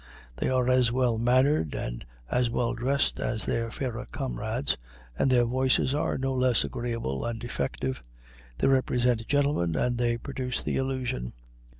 They are as well mannered and as well dressed as their fairer comrades and their voices are no less agreeable and effective. They represent gentlemen and they produce the illusion.